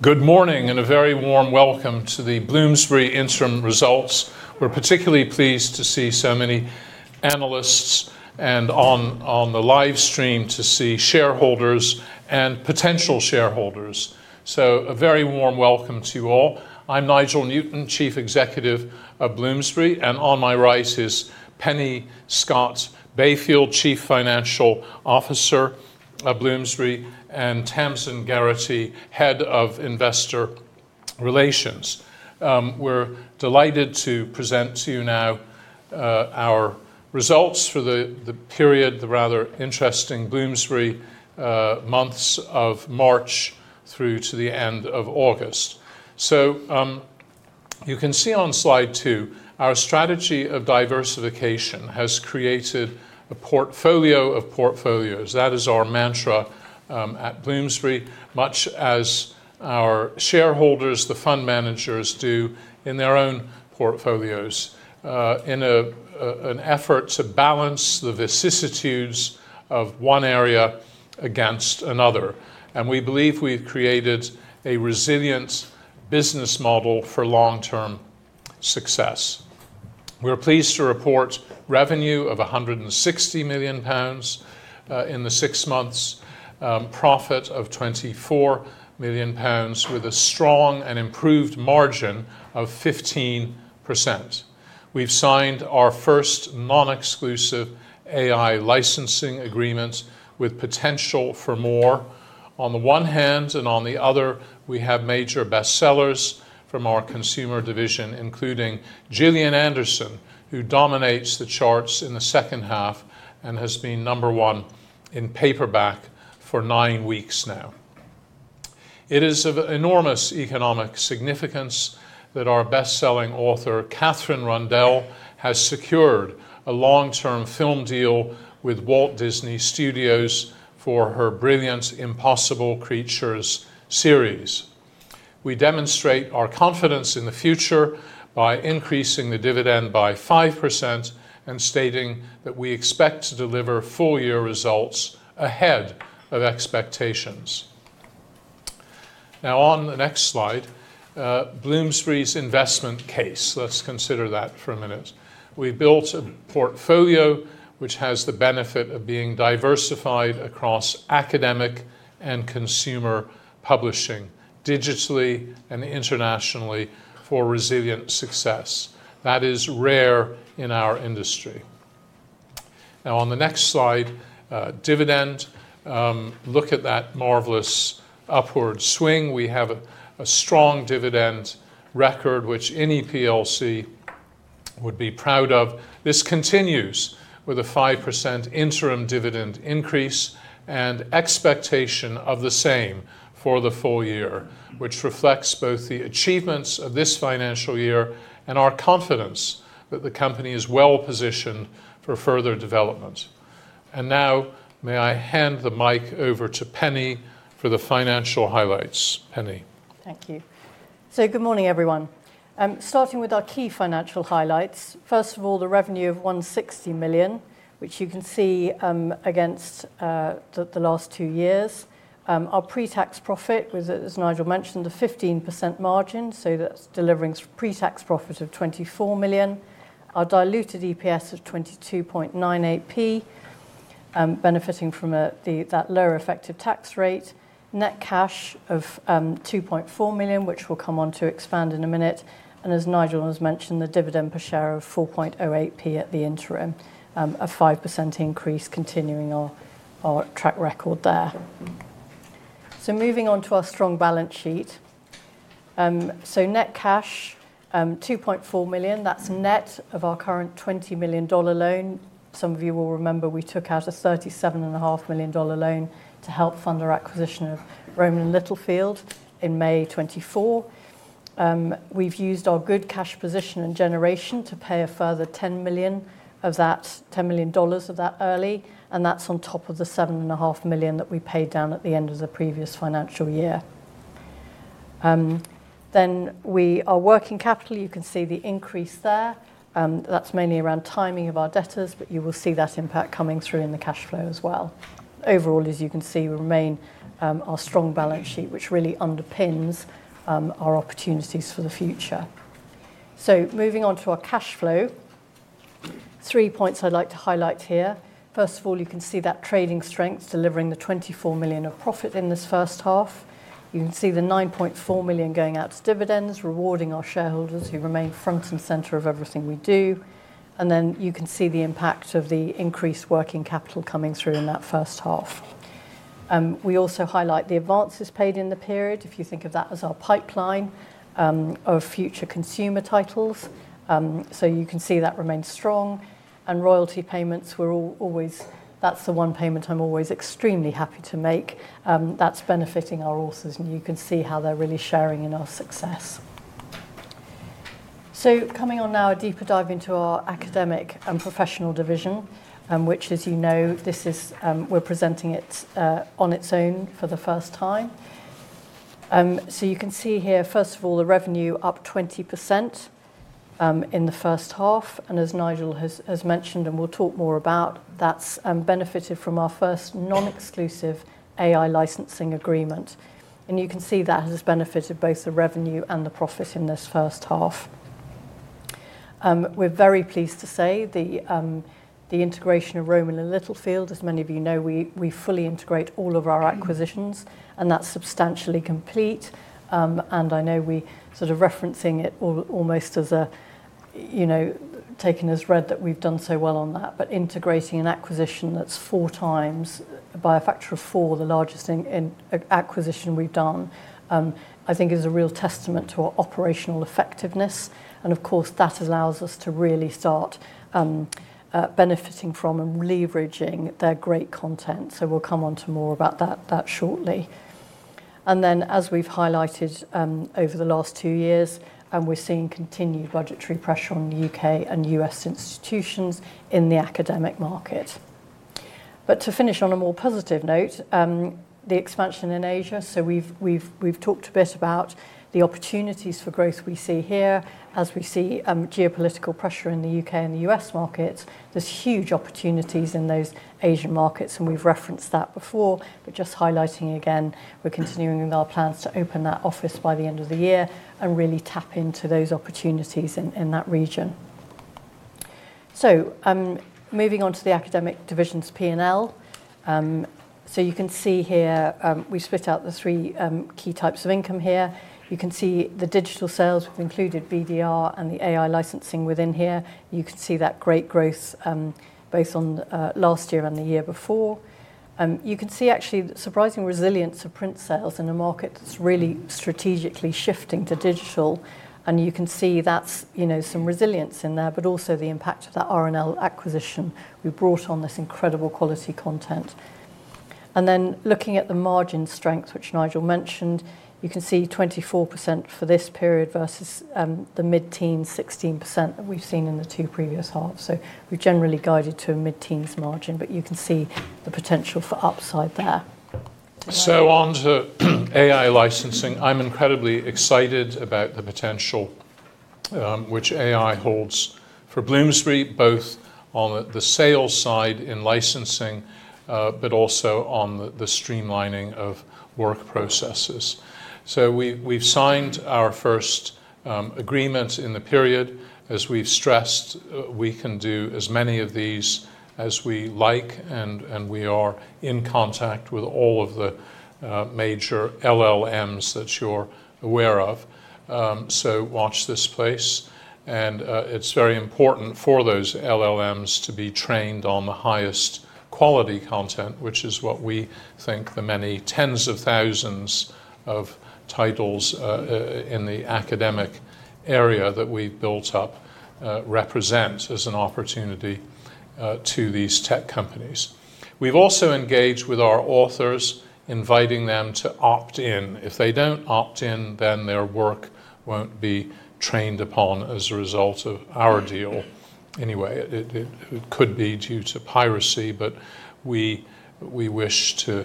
Good morning and a very warm welcome to the Bloomsbury interim results. We're particularly pleased to see so many analysts and on the livestream to see shareholders and potential shareholders. A very warm welcome to you all. I'm Nigel Newton, Chief Executive of Bloomsbury, and on my right is Penny Scott-Bayfield, Chief Financial Officer of Bloomsbury, and Tamsin Garrity, Head of Investor Relations. We're delighted to present to you now our results for the period, the rather interesting Bloomsbury months of March through to the end of August. You can see on slide two, our strategy of diversification has created a portfolio of portfolios. That is our mantra at Bloomsbury, much as our shareholders, the fund managers, do in their own portfolios, in an effort to balance the vicissitudes of one area against another. We believe we've created a resilient business model for long-term success. We're pleased to report revenue of 160 million pounds in the six months, profit of 24 million pounds, with a strong and improved margin of 15%. We've signed our first non-exclusive AI licensing agreement with potential for more. On the one hand, and on the other, we have major bestsellers from our consumer division, including Gillian Anderson, who dominates the charts in the second half and has been number one in paperback for nine weeks now. It is of enormous economic significance that our bestselling author, Kathryn Rundell, has secured a long-term film deal with Walt Disney Studios for her brilliant Impossible Creatures series. We demonstrate our confidence in the future by increasing the dividend by 5% and stating that we expect to deliver full-year results ahead of expectations. Now, on the next slide, Bloomsbury's investment case, let's consider that for a minute. We built a portfolio which has the benefit of being diversified across academic and consumer publishing, digitally and internationally, for resilient success. That is rare in our industry. Now, on the next slide, dividend, look at that marvelous upward swing. We have a strong dividend record, which any PLC would be proud of. This continues with a 5% interim dividend increase and expectation of the same for the full year, which reflects both the achievements of this financial year and our confidence that the company is well positioned for further development. Now, may I hand the mic over to Penny for the financial highlights? Penny. Thank you. Good morning, everyone. Starting with our key financial highlights. First of all, the revenue of 160 million, which you can see against the last two years. Our pre-tax profit, as Nigel mentioned, a 15% margin, so that's delivering pre-tax profit of 24 million. Our diluted EPS of 22.98p, benefiting from that lower effective tax rate. Net cash of 2.4 million, which we'll come on to expand in a minute. As Nigel has mentioned, the dividend per share of 4.08p at the interim, a 5% increase, continuing our track record there. Moving on to our strong balance sheet. Net cash, 2.4 million. That's net of our current $20 million loan. Some of you will remember we took out a $37.5 million loan to help fund our acquisition of Rowman & Littlefield in May 2024. We've used our good cash position and generation to pay a further $10 million of that, $10 million of that early, and that's on top of the $7.5 million that we paid down at the end of the previous financial year. Our working capital, you can see the increase there. That's mainly around timing of our debtors, but you will see that impact coming through in the cash flow as well. Overall, as you can see, we remain our strong balance sheet, which really underpins our opportunities for the future. Moving on to our cash flow, three points I'd like to highlight here. First of all, you can see that trading strength, delivering the 24 million of profit in this first half. You can see the 9.4 million going out to dividends, rewarding our shareholders who remain front and center of everything we do. You can see the impact of the increased working capital coming through in that first half. We also highlight the advances paid in the period, if you think of that as our pipeline of future consumer titles. You can see that remains strong. Royalty payments, that's the one payment I'm always extremely happy to make. That's benefiting our authors, and you can see how they're really sharing in our success. Coming on now, a deeper dive into our Academic and Professional division, which, as you know, we are presenting on its own for the first time. You can see here, first of all, the revenue up 20% in the first half. As Nigel has mentioned, and we'll talk more about, that's benefited from our first non-exclusive AI licensing agreement. You can see that has benefited both the revenue and the profit in this first half. We're very pleased to say the integration of Rowman & Littlefield, as many of you know, we fully integrate all of our acquisitions, and that's substantially complete. I know we're sort of referencing it almost as a, you know, taken as read that we've done so well on that. Integrating an acquisition that's 4x, by a factor of four, the largest acquisition we've done, I think is a real testament to our operational effectiveness. Of course, that allows us to really start benefiting from and leveraging their great content. We'll come on to more about that shortly. As we've highlighted over the last two years, we're seeing continued budgetary pressure on the U.K. and U.S. institutions in the academic market. To finish on a more positive note, the expansion in Asia, we've talked a bit about the opportunities for growth we see here. As we see geopolitical pressure in the U.K. and the U.S. markets, there's huge opportunities in those Asian markets, and we've referenced that before. Just highlighting again, we're continuing with our plans to open that office by the end of the year and really tap into those opportunities in that region. Moving on to the academic division's P&L, you can see here, we've split out the three key types of income here. You can see the digital sales, we've included BDR and the AI licensing within here. You can see that great growth both on last year and the year before. You can see actually the surprising resilience of print sales in a market that's really strategically shifting to digital. You can see that's, you know, some resilience in there, but also the impact of that R&L acquisition. We brought on this incredible quality content. Looking at the margin strength, which Nigel mentioned, you can see 24% for this period versus the mid-teens, 16% that we've seen in the two previous halves. We've generally guided to a mid-teens margin, but you can see the potential for upside there. On to AI licensing, I'm incredibly excited about the potential which AI holds for Bloomsbury, both on the sales side in licensing, but also on the streamlining of work processes. We've signed our first agreement in the period. As we've stressed, we can do as many of these as we like, and we are in contact with all of the major LLMs that you're aware of. Watch this space. It's very important for those LLMs to be trained on the highest quality content, which is what we think the many tens of thousands of titles in the academic area that we've built up represent as an opportunity to these tech companies. We've also engaged with our authors, inviting them to opt in. If they don't opt in, then their work won't be trained upon as a result of our deal. It could be due to piracy, but we wish to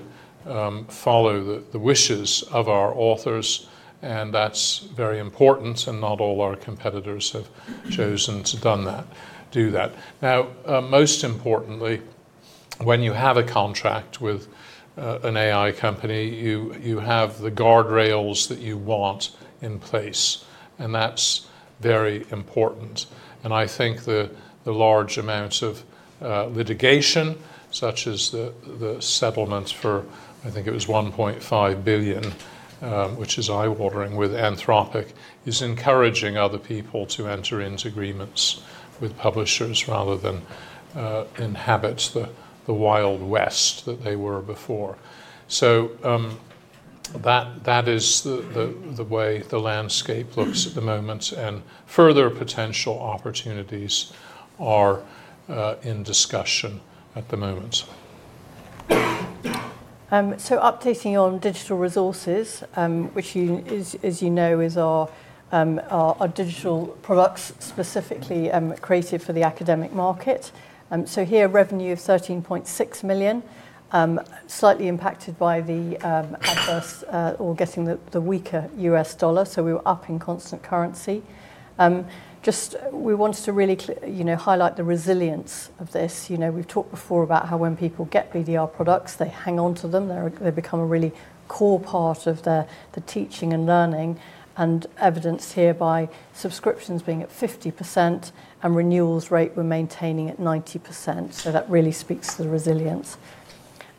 follow the wishes of our authors, and that's very important, and not all our competitors have chosen to do that. Most importantly, when you have a contract with an AI company, you have the guardrails that you want in place, and that's very important. I think the large amounts of litigation, such as the settlement for, I think it was 1.5 billion, which is eye-watering with Anthropic, is encouraging other people to enter into agreements with publishers rather than inhabit the Wild West that they were before. That is the way the landscape looks at the moment, and further potential opportunities are in discussion at the moment. Updating on digital resources, which, as you know, is our digital products specifically created for the academic market. Here, revenue of 13.6 million was slightly impacted by the adverse or weaker U.S. dollar, so we were up in constant currency. We wanted to really highlight the resilience of this. We've talked before about how when people get BDR products, they hang onto them. They become a really core part of the teaching and learning, evidenced here by subscriptions being at 50% and renewal rate we're maintaining at 90%. That really speaks to the resilience.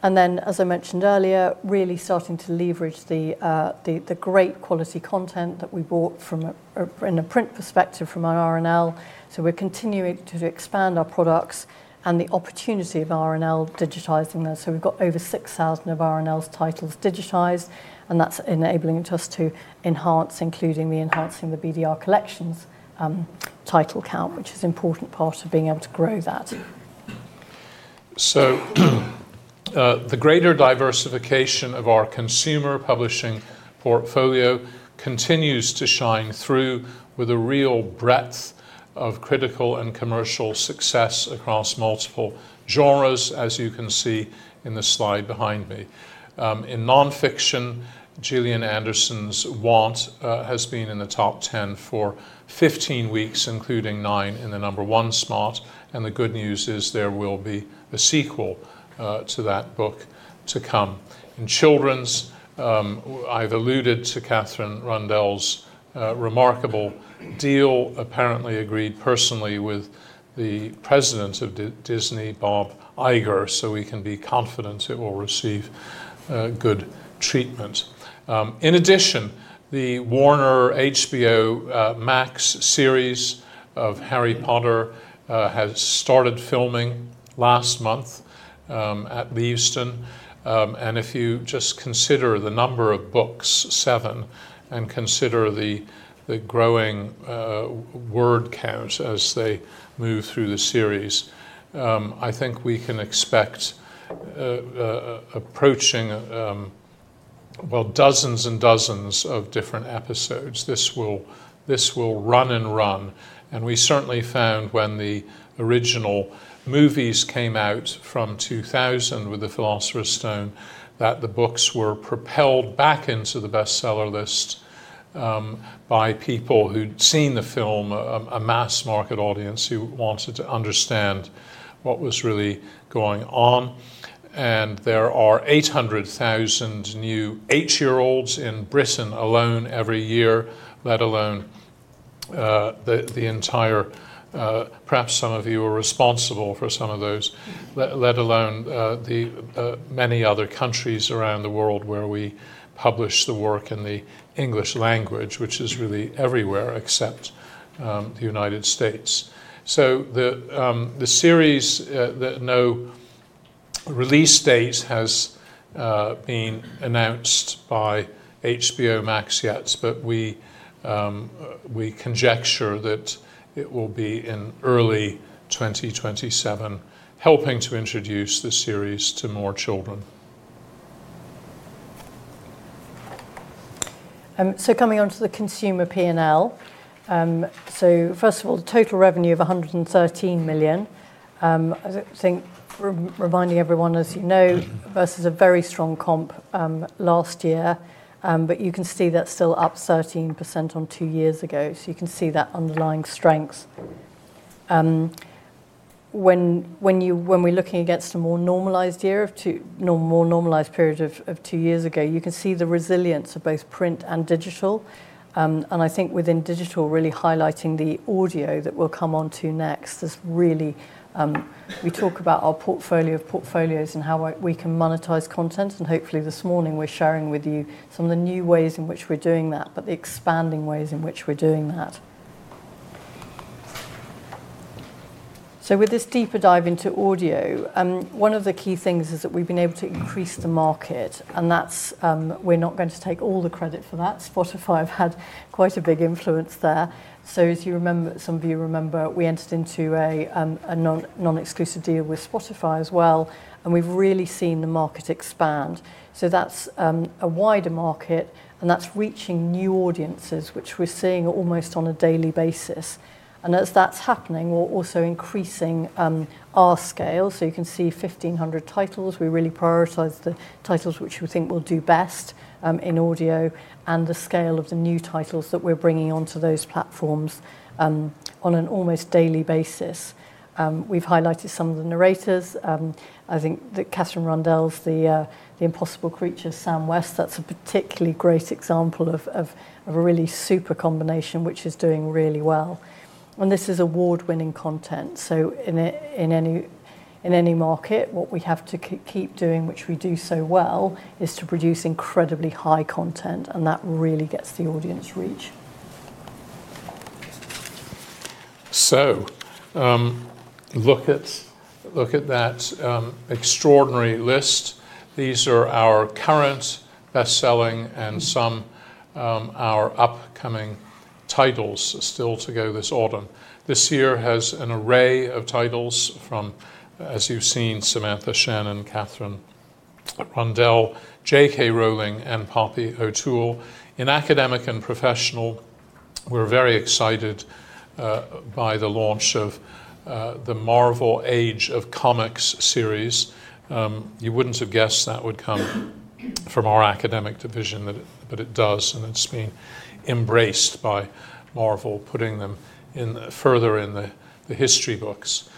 As I mentioned earlier, really starting to leverage the great quality content that we bought from a print perspective from our R&L. We're continuing to expand our products and the opportunity of R&L digitizing those. We've got over 6,000 of R&L's titles digitized, and that's enabling us to enhance, including enhancing the BDR collections title count, which is an important part of being able to grow that. The greater diversification of our consumer publishing portfolio continues to shine through with a real breadth of critical and commercial success across multiple genres, as you can see in the slide behind me. In nonfiction, Gillian Anderson's Want has been in the top 10 for 15 weeks, including 9 in the number one spot. The good news is there will be a sequel to that book to come. In children's, I've alluded to Kathryn Rundell's remarkable deal, apparently agreed personally with the President of Disney, Bob Iger, so we can be confident it will receive good treatment. In addition, the Warner HBO Max series of Harry Potter has started filming last month at Leavesden. If you just consider the number of books, seven, and consider the growing word count as they move through the series, I think we can expect approaching, well, dozens and dozens of different episodes. This will run and run. We certainly found when the original movies came out from 2000 with The Philosopher's Stone that the books were propelled back into the bestseller list by people who'd seen the film, a mass market audience who wanted to understand what was really going on. There are 800,000 new eight-year-olds in Britain alone every year, let alone the entire, perhaps some of you are responsible for some of those, let alone the many other countries around the world where we publish the work in the English language, which is really everywhere except the United States. The release date has been announced by HBO Max yet, but we conjecture that it will be in early 2027, helping to introduce the series to more children. Coming on to the consumer P&L, first of all, the total revenue of 113 million. Reminding everyone, as you know, versus a very strong comp last year, you can see that's still up 13% on two years ago. You can see that underlying strength. When we're looking against a more normalized year, a more normalized period of two years ago, you can see the resilience of both print and digital. Within digital, really highlighting the audio that we'll come on to next, we talk about our portfolio of portfolios and how we can monetize content. Hopefully, this morning, we're sharing with you some of the new ways in which we're doing that, and the expanding ways in which we're doing that. With this deeper dive into audio, one of the key things is that we've been able to increase the market, and we're not going to take all the credit for that. Spotify have had quite a big influence there. As you remember, some of you remember, we entered into a non-exclusive deal with Spotify as well, and we've really seen the market expand. That's a wider market, and that's reaching new audiences, which we're seeing almost on a daily basis. As that's happening, we're also increasing our scale. You can see 1,500 titles. We really prioritize the titles which we think will do best in audio and the scale of the new titles that we're bringing onto those platforms on an almost daily basis. We've highlighted some of the narrators. I think that Kathryn Rundell's Impossible Creatures, Sam West, that's a particularly great example of a really super combination which is doing really well. This is award-winning content. In any market, what we have to keep doing, which we do so well, is to produce incredibly high content, and that really gets the audience reach. Look at that extraordinary list. These are our current bestselling and some of our upcoming titles still to go this autumn. This year has an array of titles from, as you've seen, Samantha Shannon, Kathryn Rundell, J.K. Rowling, and Poppy O'Toole. In Academic and Professional, we're very excited by the launch of the Marvel Age of Comics series. You wouldn't have guessed that would come from our Academic division, but it does, and it's been embraced by Marvel, putting them further in the history books.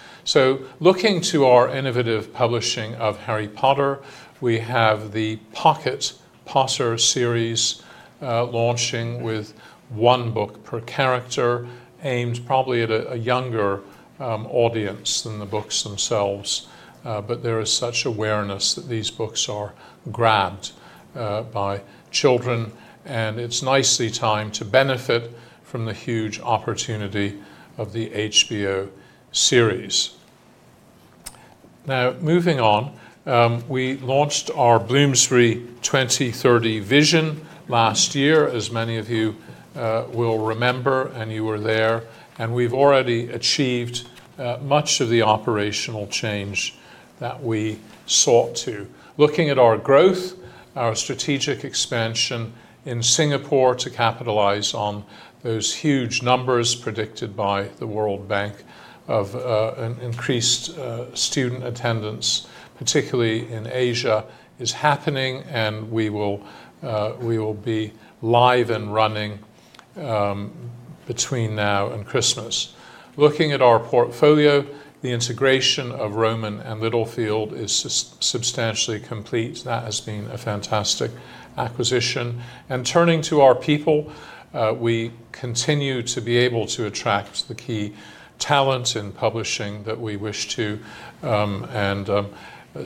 Looking to our innovative publishing of Harry Potter, we have the Pocket Potter series launching with one book per character, aimed probably at a younger audience than the books themselves. There is such awareness that these books are grabbed by children, and it's nicely timed to benefit from the huge opportunity of the HBO Max series. Moving on, we launched our Bloomsbury 2030 vision last year, as many of you will remember, and you were there. We've already achieved much of the operational change that we sought to. Looking at our growth, our strategic expansion in Singapore to capitalize on those huge numbers predicted by the World Bank of an increased student attendance, particularly in Asia, is happening, and we will be live and running between now and Christmas. Looking at our portfolio, the integration of Rowman & Littlefield is substantially complete. That has been a fantastic acquisition. Turning to our people, we continue to be able to attract the key talent in publishing that we wish to.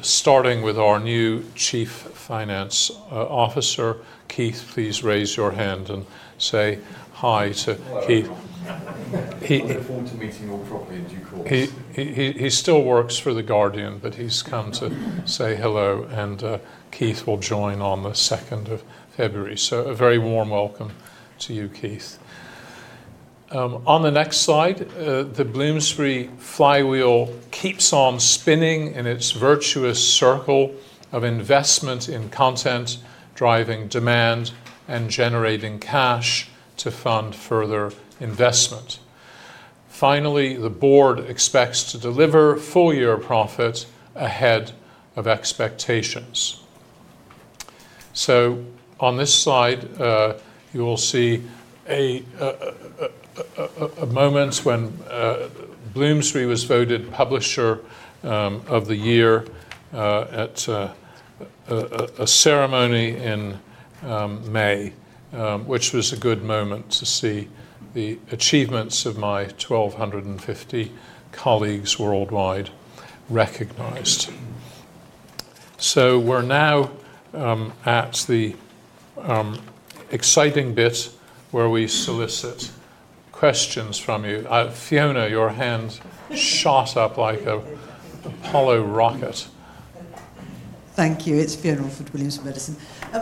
Starting with our new Chief Financial Officer, Keith, please raise your hand and say hi to Keith. I look forward to meeting you all properly in due course. He still works for The Guardian, but he's come to say hello, and Keith will join on the 2nd of February. A very warm welcome to you, Keith. On the next slide, the Bloomsbury flywheel keeps on spinning in its virtuous circle of investment in content, driving demand, and generating cash to fund further investment. Finally, the board expects to deliver full-year profit ahead of expectations. On this slide, you will see a moment when Bloomsbury was voted Publisher of the Year at a ceremony in May, which was a good moment to see the achievements of my 1,250 colleagues worldwide recognized. We're now at the exciting bit where we solicit questions from you. Fiona, your hand shot up like an Apollo rocket. Thank you. It's [Fiona Alford, Williams of Medicine].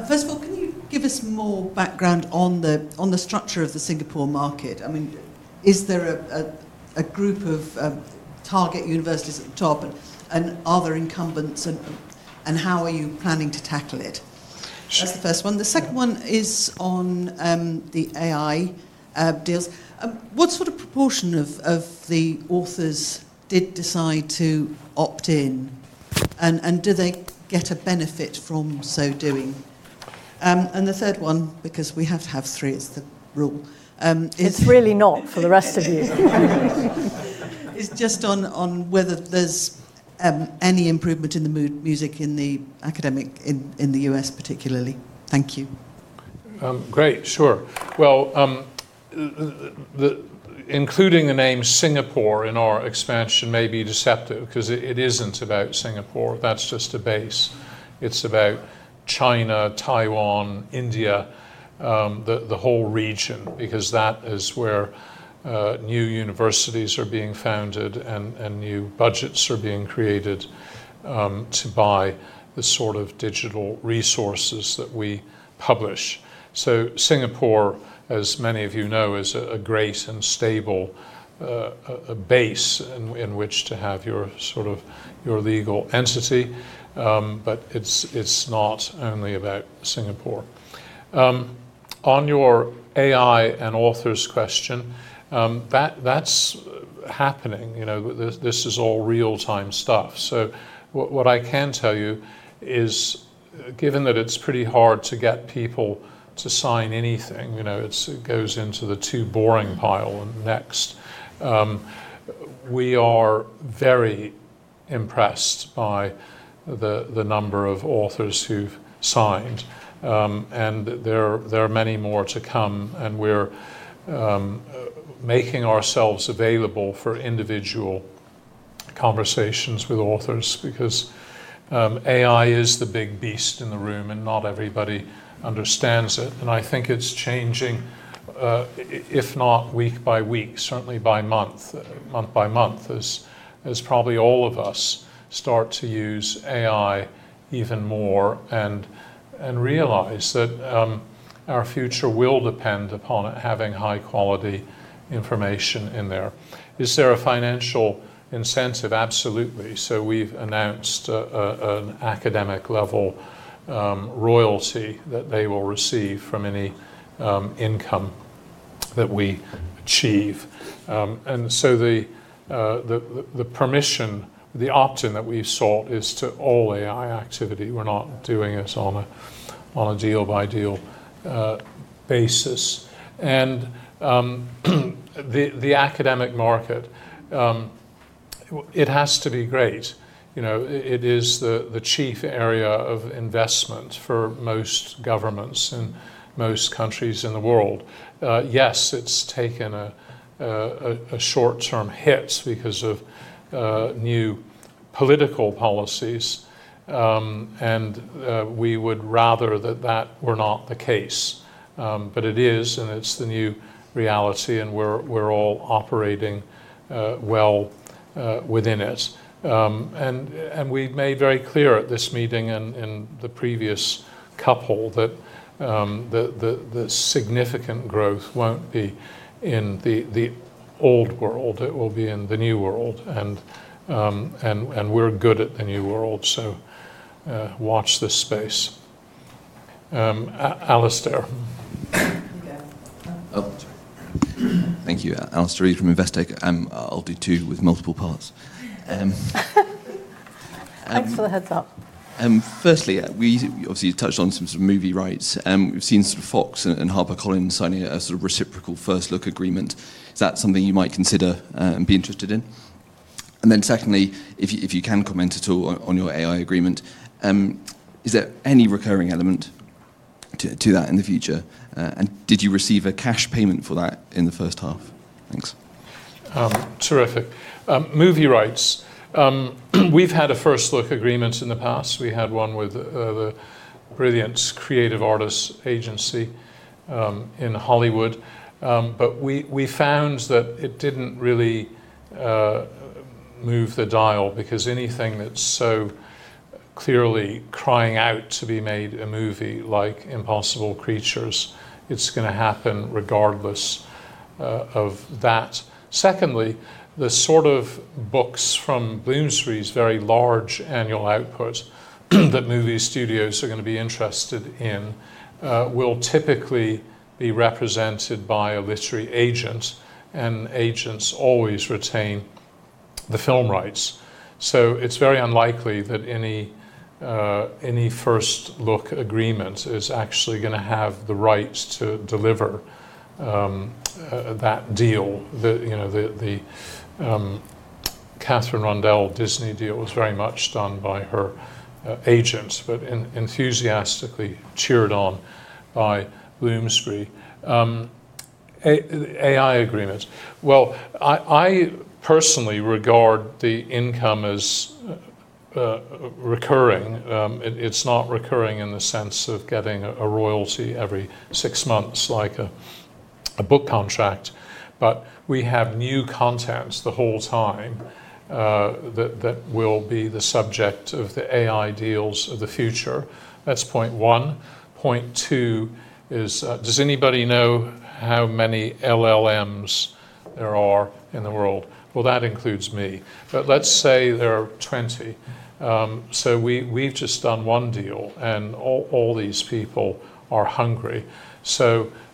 First of all, can you give us more background on the structure of the Singapore market? I mean, is there a group of target universities at the top and other incumbents, and how are you planning to tackle it? That's the first one. The second one is on the AI deals. What sort of proportion of the authors did decide to opt in, and do they get a benefit from so doing? The third one, because we have to have three, it's the rule. It's really not for the rest of you. It's just on whether there's any improvement in the mood music in the academic, in the U.S. particularly. Thank you. Including the name Singapore in our expansion may be deceptive because it isn't about Singapore. That's just a base. It's about China, Taiwan, India, the whole region, because that is where new universities are being founded and new budgets are being created to buy the sort of digital resources that we publish. Singapore, as many of you know, is a great and stable base in which to have your sort of legal entity, but it's not only about Singapore. On your AI and authors question, that's happening. This is all real-time stuff. What I can tell you is, given that it's pretty hard to get people to sign anything, it goes into the too boring pile next. We are very impressed by the number of authors who've signed, and there are many more to come, and we're making ourselves available for individual conversations with authors because AI is the big beast in the room, and not everybody understands it. I think it's changing, if not week by week, certainly month by month, as probably all of us start to use AI even more and realize that our future will depend upon having high-quality information in there. Is there a financial incentive? Absolutely. We've announced an academic-level royalty that they will receive from any income that we achieve. The permission, the opt-in that we've sought, is to all AI activity. We're not doing this on a deal-by-deal basis. The academic market, it has to be great. It is the chief area of investment for most governments in most countries in the world. Yes, it's taken a short-term hit because of new political policies, and we would rather that that were not the case. It is, and it's the new reality, and we're all operating well within it. We made very clear at this meeting and in the previous couple that the significant growth won't be in the old world. It will be in the new world, and we're good at the new world. Watch this space. Alistair. Thank you. Alistair Reed from Investec. I'll do two with multiple parts. Thanks for the heads up. Firstly, we obviously touched on some movie rights. We've seen Fox and HarperCollins signing a reciprocal first-look agreement. Is that something you might consider and be interested in? Secondly, if you can comment at all on your AI licensing agreement, is there any recurring element to that in the future, and did you receive a cash payment for that in the first half? Thanks. Terrific. Movie rights. We've had a first-look agreement in the past. We had one with the brilliant Creative Artists Agency in Hollywood, but we found that it didn't really move the dial because anything that's so clearly crying out to be made a movie like Impossible Creatures, it's going to happen regardless of that. Secondly, the sort of books from Bloomsbury's very large annual output that movie studios are going to be interested in will typically be represented by a literary agent, and agents always retain the film rights. It's very unlikely that any first-look agreement is actually going to have the rights to deliver that deal. The Kathryn Rundell Disney deal was very much done by her agents, but enthusiastically cheered on by Bloomsbury. AI agreements. I personally regard the income as recurring. It's not recurring in the sense of getting a royalty every six months like a book contract, but we have new contents the whole time that will be the subject of the AI deals of the future. That's point one. Point two is, does anybody know how many LLMs there are in the world? That includes me. Let's say there are 20. We've just done one deal, and all these people are hungry.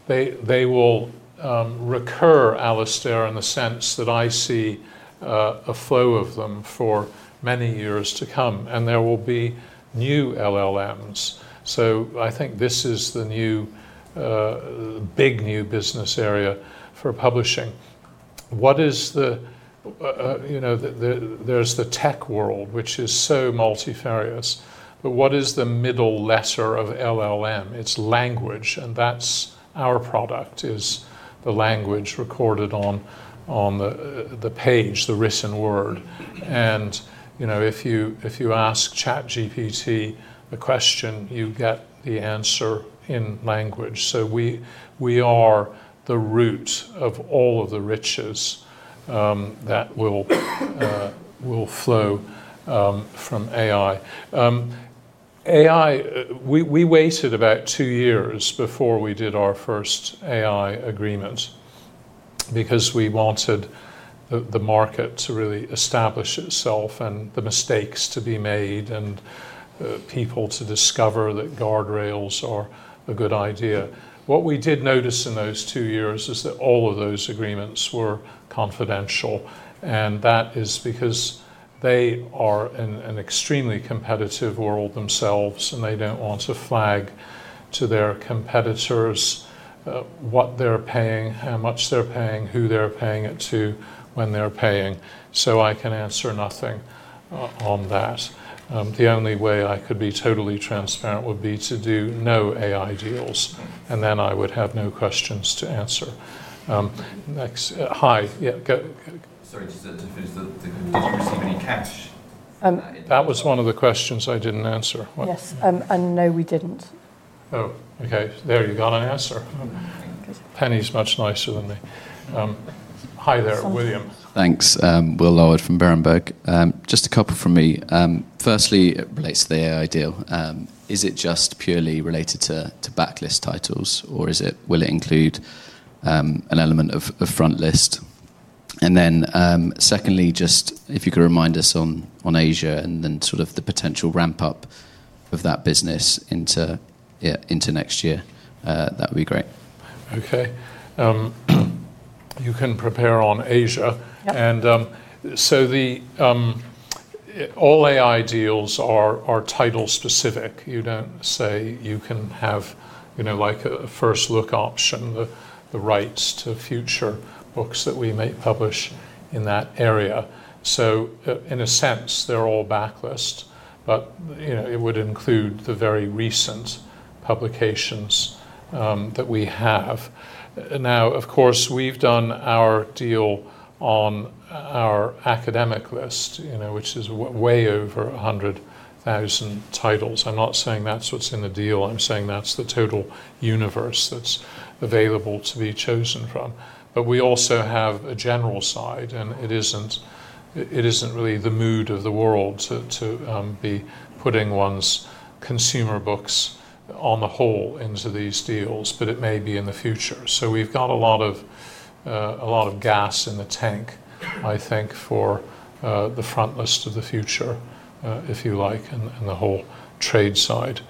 They will recur, Alistair, in the sense that I see a flow of them for many years to come, and there will be new LLMs. I think this is the new big new business area for publishing. There is the tech world, which is so multifarious, but what is the middle letter of LLM? It's language, and that's our product is the language recorded on the page, the written word. If you ask ChatGPT a question, you get the answer in language. We are the root of all of the riches that will flow from AI. We waited about two years before we did our first AI agreement because we wanted the market to really establish itself and the mistakes to be made and people to discover that guardrails are a good idea. What we did notice in those two years is that all of those agreements were confidential, and that is because they are in an extremely competitive world themselves, and they don't want to flag to their competitors what they're paying, how much they're paying, who they're paying it to, when they're paying. I can answer nothing on that. The only way I could be totally transparent would be to do no AI deals, and then I would have no questions to answer. Next, hi. Yeah. Sorry, just to finish, did you receive any cash? That was one of the questions I didn't answer. Yes, no, we didn't. Oh, okay. There you got an answer. Penny's much nicer than me. Hi there, William. Thanks. Will Lloyd from Berenberg. Just a couple from me. Firstly, it relates to the AI deal. Is it just purely related to backlist titles, or will it include an element of frontlist? Secondly, if you could remind us on Asia and the potential ramp-up of that business into next year, that would be great. Okay. You can prepare on Asia. All AI deals are title-specific. You don't say you can have, you know, like a first-look option, the rights to future books that we may publish in that area. In a sense, they're all backlist, but it would include the very recent publications that we have. Of course, we've done our deal on our academic list, which is way over 100,000 titles. I'm not saying that's what's in the deal. I'm saying that's the total universe that's available to be chosen from. We also have a general side, and it isn't really the mood of the world to be putting one's consumer books on the whole into these deals, but it may be in the future. We've got a lot of gas in the tank, I think, for the frontlist of the future, if you like, and the whole trade side.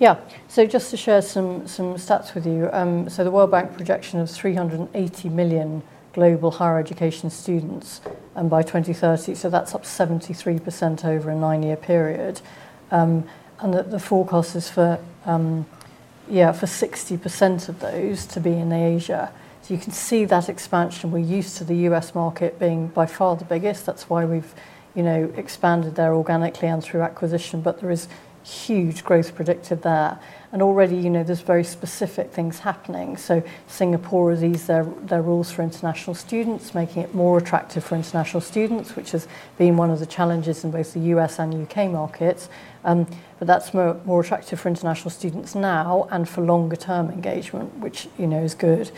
Yeah. Just to share some stats with you. The World Bank projection is 380 million global higher education students by 2030. That's up 73% over a nine-year period. The forecast is for 60% of those to be in Asia. You can see that expansion. We're used to the U.S. market being by far the biggest. That's why we've expanded there organically and through acquisition. There is huge growth predicted there. Already, there are very specific things happening. Singapore has eased their rules for international students, making it more attractive for international students, which has been one of the challenges in both the U.S. and U.K. markets. That's more attractive for international students now and for longer-term engagement, which is good.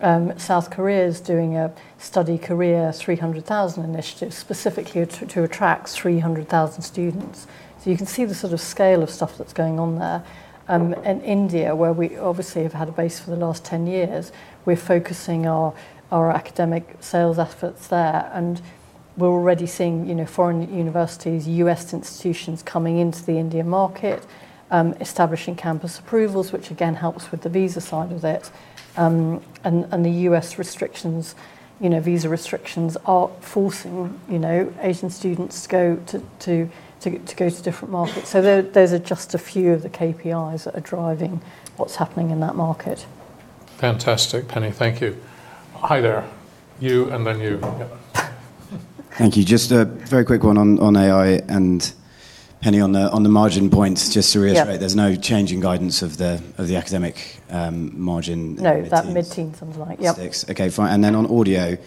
South Korea is doing a Study Career 300,000 initiative specifically to attract 300,000 students. You can see the sort of scale of stuff that's going on there. In India, where we obviously have had a base for the last 10 years, we're focusing our academic sales efforts there. We're already seeing foreign universities, U.S. institutions coming into the Indian market, establishing campus approvals, which again helps with the visa side of it. The U.S. restrictions, visa restrictions, are forcing Asian students to go to different markets. There are just a few of the KPIs that are driving what's happening in that market. Fantastic. Penny, thank you. Hi there. You and then you. Thank you. Just a very quick one on AI and Penny on the margin points. Just to reiterate, there's no change in guidance of the academic margin. No, that mid-teens sounds right. Okay, fine. On audio,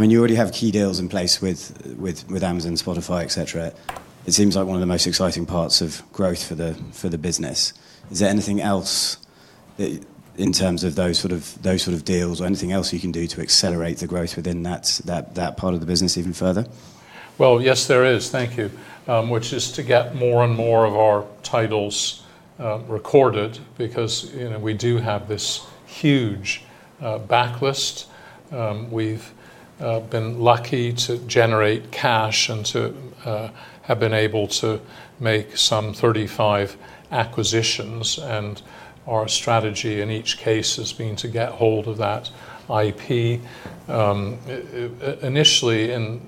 you already have key deals in place with Amazon, Spotify, etc. It seems like one of the most exciting parts of growth for the business. Is there anything else in terms of those sort of deals or anything else you can do to accelerate the growth within that part of the business even further? Yes, there is. Thank you. Which is to get more and more of our titles recorded because, you know, we do have this huge backlist. We've been lucky to generate cash and to have been able to make some 35 acquisitions. Our strategy in each case has been to get hold of that IP. Initially, in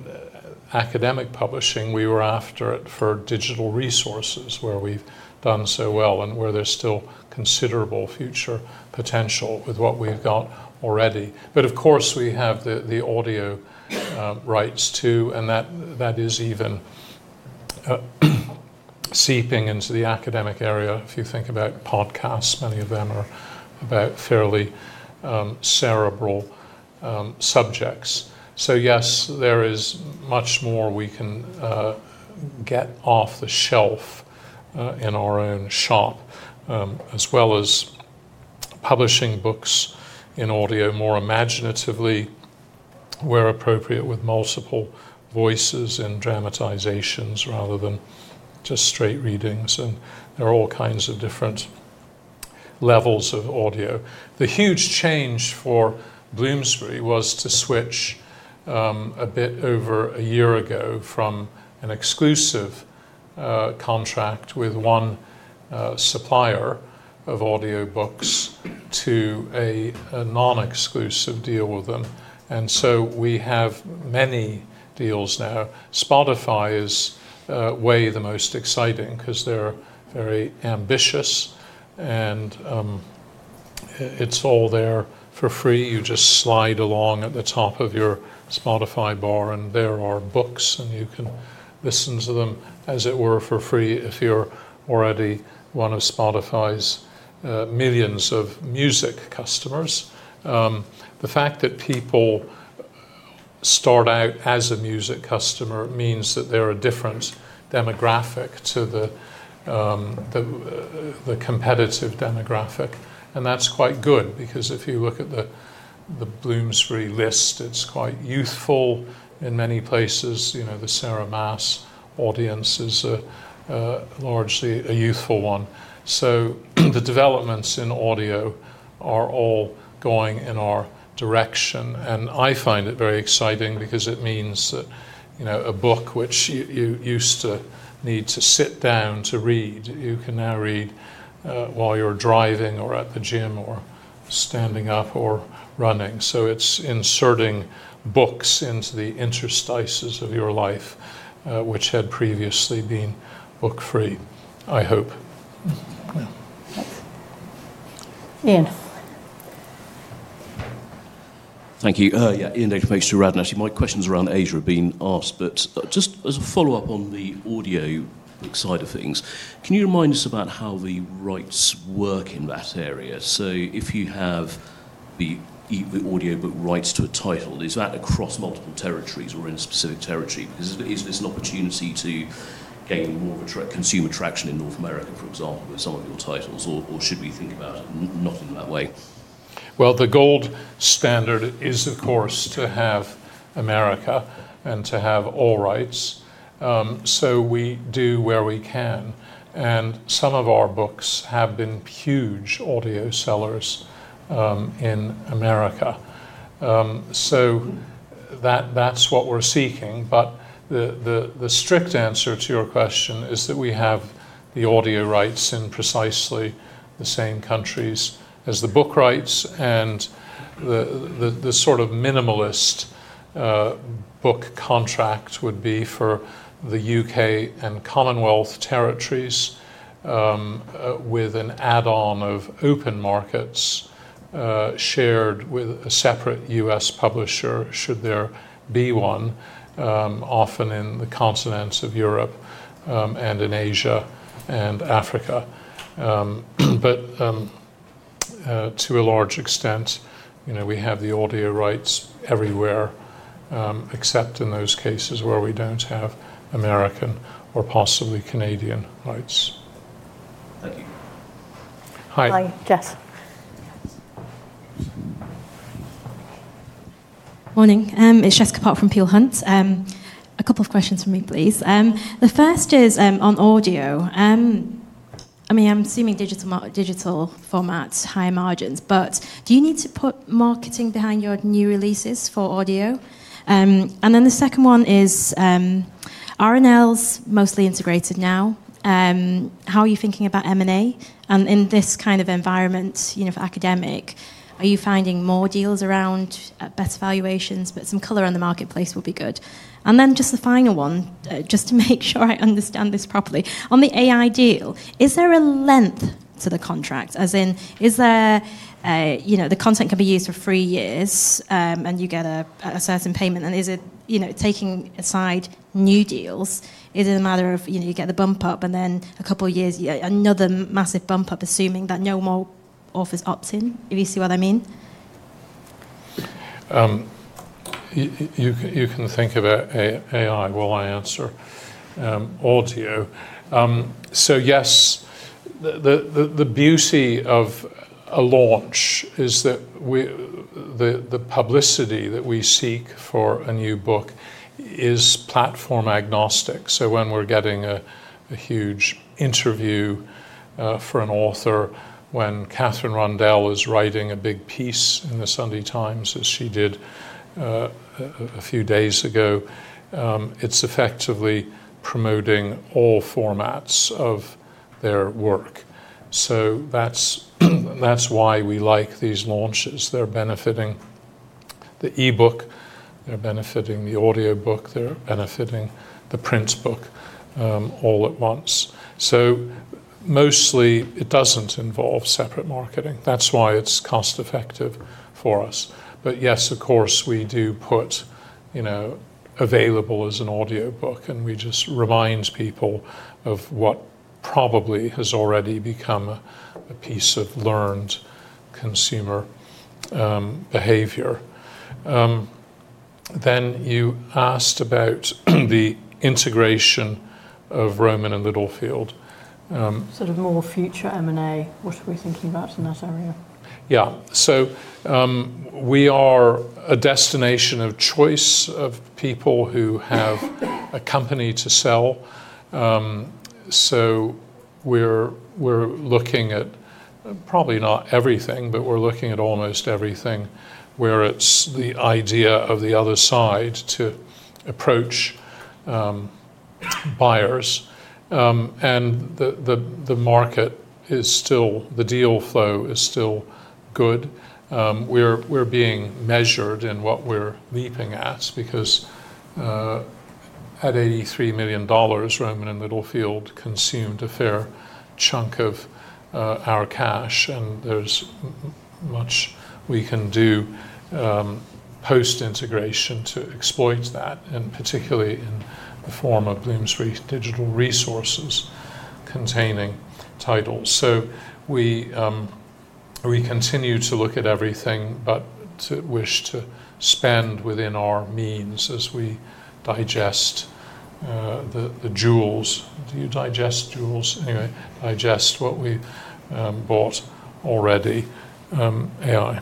academic publishing, we were after it for digital resources where we've done so well and where there's still considerable future potential with what we've got already. Of course, we have the audio rights too, and that is even seeping into the academic area. If you think about podcasts, many of them are about fairly cerebral subjects. Yes, there is much more we can get off the shelf in our own shop, as well as publishing books in audio more imaginatively where appropriate with multiple voices and dramatizations rather than just straight readings. There are all kinds of different levels of audio. The huge change for Bloomsbury was to switch a bit over a year ago from an exclusive contract with one supplier of audiobooks to a non-exclusive deal with them. We have many deals now. Spotify is way the most exciting because they're very ambitious, and it's all there for free. You just slide along at the top of your Spotify bar, and there are books, and you can listen to them as it were for free if you're already one of Spotify's millions of music customers. The fact that people start out as a music customer means that they're a different demographic to the competitive demographic. That's quite good because if you look at the Bloomsbury list, it's quite youthful in many places. You know, the Sarah Maas audience is largely a youthful one. The developments in audio are all going in our direction. I find it very exciting because it means that, you know, a book which you used to need to sit down to read, you can now read while you're driving or at the gym or standing up or running. It's inserting books into the interstices of your life, which had previously been book-free, I hope. Ian. Thank you. [Ian Davey from HSBC]. My question is around Asia being asked, but just as a follow-up on the audio side of things, can you remind us about how the rights work in that area? If you have the audio rights to a title, is that across multiple territories or in a specific territory? Is this an opportunity to gain more consumer traction in North America, for example, with some of your titles, or should we think about it not in that way? The gold standard is, of course, to have America and to have all rights. We do where we can, and some of our books have been huge audio sellers in America. That's what we're seeking. The strict answer to your question is that we have the audio rights in precisely the same countries as the book rights. The sort of minimalist book contract would be for the U.K. and Commonwealth territories with an add-on of open markets shared with a separate U.S. publisher should there be one, often in the continents of Europe and in Asia and Africa. To a large extent, you know, we have the audio rights everywhere except in those cases where we don't have American or possibly Canadian rights. Thank you. Hi. Hi, Jess. Morning. It's Jessica Pok from Peel Hunt. A couple of questions for me, please. The first is on audio. I'm assuming digital formats, higher margins, but do you need to put marketing behind your new releases for audio? The second one is R&L's mostly integrated now. How are you thinking about M&A? In this kind of environment, for academic, are you finding more deals around better valuations? Some color on the marketplace will be good. Just the final one, just to make sure I understand this properly. On the AI deal, is there a length to the contract? As in, is there, you know, the content can be used for three years and you get a certain payment? Is it, taking aside new deals, a matter of you get the bump up and then a couple of years, another massive bump up, assuming that no more authors opt in? If you see what I mean. You can think about AI while I answer audio. Yes, the beauty of a launch is that the publicity that we seek for a new book is platform agnostic. When we're getting a huge interview for an author, when Kathryn Rundell is writing a big piece in the Sunday Times, as she did a few days ago, it's effectively promoting all formats of their work. That's why we like these launches. They're benefiting the e-book, they're benefiting the audiobook, they're benefiting the print book all at once. Mostly it doesn't involve separate marketing. That's why it's cost-effective for us. Yes, of course, we do put, you know, available as an audiobook, and we just remind people of what probably has already become a piece of learned consumer behavior. You asked about the integration of Rowman & Littlefield. More future M&A, what are we thinking about in that area? Yeah. We are a destination of choice for people who have a company to sell. We're looking at probably not everything, but we're looking at almost everything where it's the idea of the other side to approach buyers. The market is still, the deal flow is still good. We're being measured in what we're leaping at because at $83 million, Rowman & Littlefield consumed a fair chunk of our cash, and there's much we can do post-integration to exploit that, particularly in the form of Bloomsbury Digital Resources containing titles. We continue to look at everything, but wish to spend within our means as we digest the jewels. Do you digest jewels? Anyway, digest what we bought already, AI.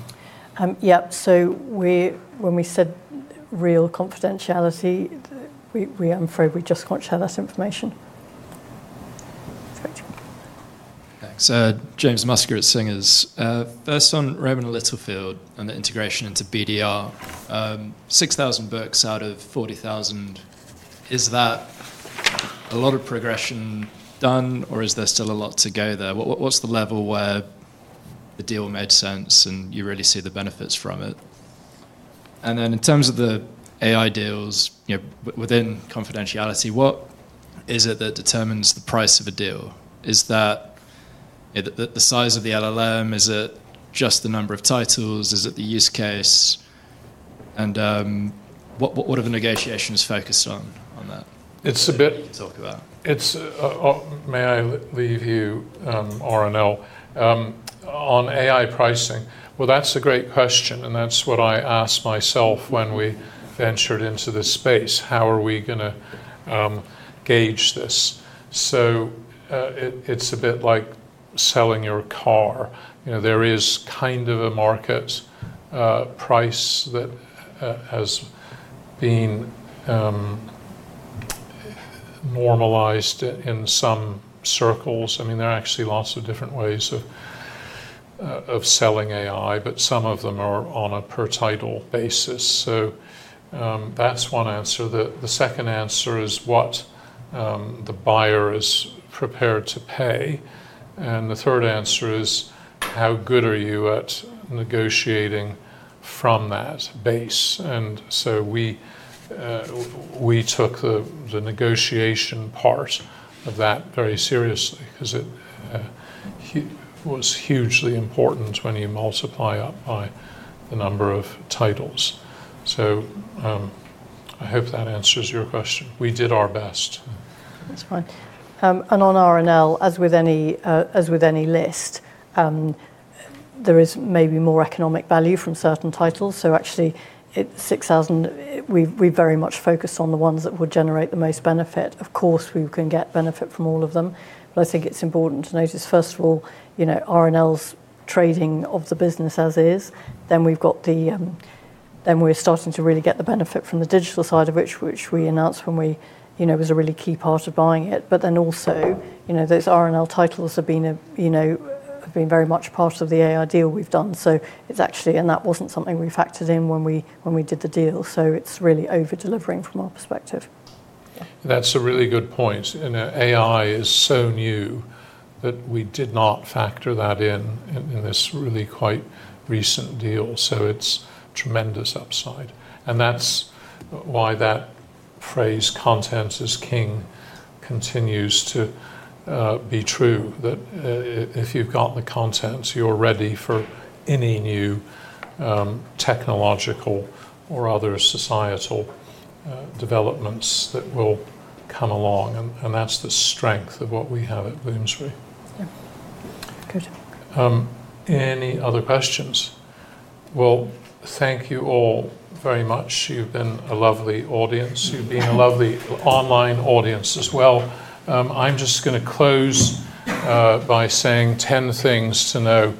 When we said real confidentiality, I'm afraid we just can't share that information. Thanks. James Musker at Singer. First on Rowman & Littlefield and the integration into Bloomsbury Digital Resources. 6,000 books out of 40,000. Is that a lot of progression done, or is there still a lot to go there? What's the level where the deal made sense and you really see the benefits from it? In terms of the AI deals, within confidentiality, what is it that determines the price of a deal? Is that the size of the LLM? Is it just the number of titles? Is it the use case? What have the negotiations focused on that? It's a bit. Talk about. May I leave you, RNL, on AI pricing? That's a great question, and that's what I asked myself when we ventured into this space. How are we going to gauge this? It's a bit like selling your car. You know, there is kind of a market price that has been normalized in some circles. I mean, there are actually lots of different ways of selling AI, but some of them are on a per-title basis. That's one answer. The second answer is what the buyer is prepared to pay. The third answer is how good are you at negotiating from that base. We took the negotiation part of that very seriously because it was hugely important when you multiply up by the number of titles. I hope that answers your question. We did our best. That's fine. On R&L, as with any list, there is maybe more economic value from certain titles. Actually, 6,000, we very much focused on the ones that would generate the most benefit. Of course, we can get benefit from all of them, but I think it's important to notice, first of all, you know, R&L's trading of the business as is. We've got the, we're starting to really get the benefit from the digital side of it, which we announced when we, you know, was a really key part of buying it. Also, those R&L titles have been very much part of the AI licensing agreement we've done. It's actually, and that wasn't something we factored in when we did the deal. It's really over-delivering from our perspective. That's a really good point. AI is so new that we did not factor that in in this really quite recent deal. It is tremendous upside. That's why that phrase, content is king, continues to be true, that if you've got the contents, you're ready for any new technological or other societal developments that will come along. That's the strength of what we have at Bloomsbury. Any other questions? Thank you all very much. You've been a lovely audience. You've been a lovely online audience as well. I'm just going to close by saying 10 things to know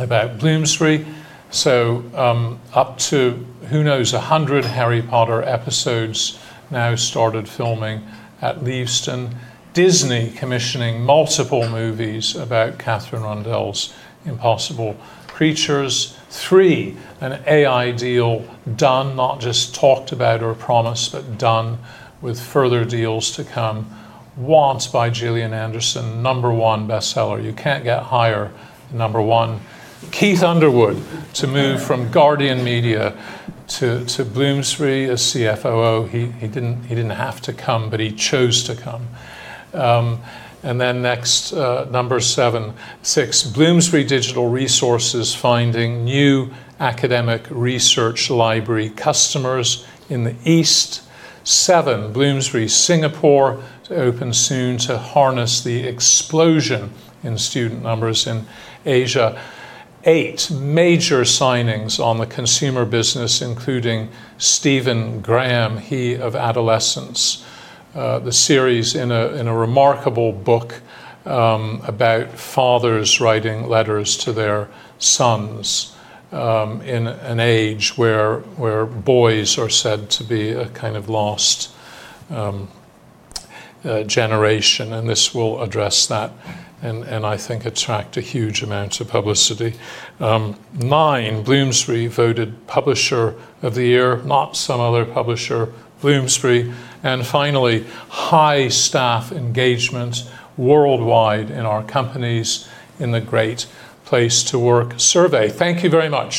about Bloomsbury. Up to who knows 100 Harry Potter episodes now started filming at Leavesden. Disney commissioning multiple movies about Kathryn Rundell's Impossible Creatures. Three, an AI deal done, not just talked about or promised, but done with further deals to come. Want by Gillian Anderson, number one bestseller. You can't get higher than number one. Keith Underwood to move from Guardian Media to Bloomsbury as CFOO. He didn't have to come, but he chose to come. Next, number seven. Six, Bloomsbury Digital Resources finding new academic research library customers in the East. Seven, Bloomsbury Singapore to open soon to harness the explosion in student numbers in Asia. Eight, major signings on the consumer business, including Stephen Graham, He of Adolescence, the series in a remarkable book about fathers writing letters to their sons in an age where boys are said to be a kind of lost generation. This will address that and I think attract a huge amount of publicity. Nine, Bloomsbury voted publisher of the year, not some other publisher, Bloomsbury. Finally, high staff engagement worldwide in our companies in the great place to work survey. Thank you very much.